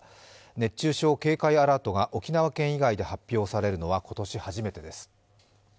熱中症警戒アラートが沖縄県以外で発表されるのは今年初めてです。